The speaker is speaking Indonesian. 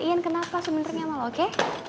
ian kenapa sebenernya sama lo oke